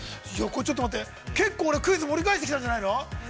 ちょっと待って、結構俺クイズ盛り返してきたんじゃないの？